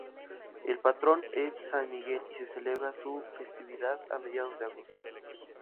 El patrón es San Miguel, y se celebra su festividad a mediados de agosto.